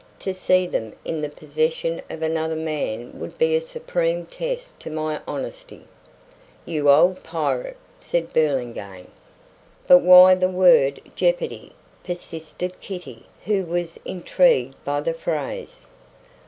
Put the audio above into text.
To see them in the possession of another man would be a supreme test to my honesty." "You old pirate!" said Burlingame. "But why the word jeopardy?" persisted Kitty, who was intrigued by the phrase.